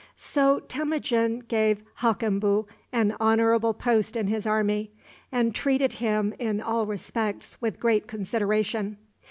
So Temujin gave Hakembu an honorable post in his army, and treated him in all respects with great consideration.